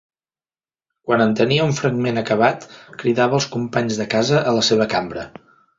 Quan en tenia un fragment acabat cridava els companys de casa a la seva cambra.